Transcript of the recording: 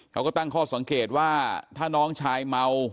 เขาก็ตั้งข้อสังเกตว่าถ้าน้องชายเมา